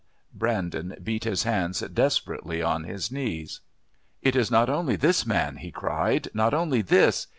Brandon beat his hands desperately on his knees. "It is not only this man!" he cried, "not only this!